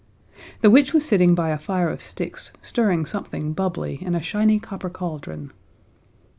The witch was sitting by a fire of sticks, stirring something bubbly in a shiny copper cauldron.